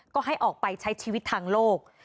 ก็ให้ออกไปใช้ชีวิตทางโลก